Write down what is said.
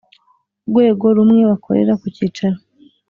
Rwego rumwe bakorera ku cyicaro